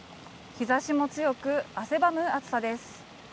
日ざしも強く、汗ばむ暑さです。